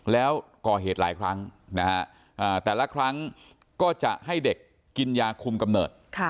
แล้วก่อเหตุหลายครั้งนะฮะแต่ละครั้งก็จะให้เด็กกินยาคุมกำเนิด